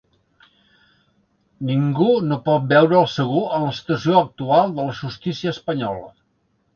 Ningú no pot veure’l segur en la situació actual de la justícia espanyola.